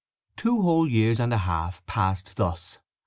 Two whole years and a half passed thus.